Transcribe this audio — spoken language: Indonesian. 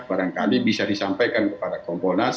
barangkali bisa disampaikan kepada kompolnas